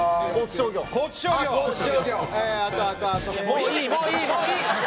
もういいもういいもういい！